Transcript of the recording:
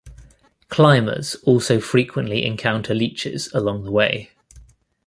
Climbers also frequently encounter leeches along the way.